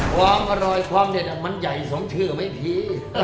ความอร่อยความเด็ดมันใหญ่สมชื่อไหมพี่